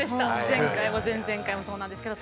前回も前々回もそうなんですけど。